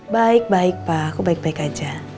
baik baik pak aku baik baik aja